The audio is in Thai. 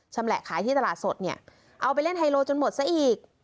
แหละขายที่ตลาดสดเนี่ยเอาไปเล่นไฮโลจนหมดซะอีก